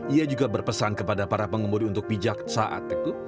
ia juga berpesan kepada para pengemudi untuk bijak saat itu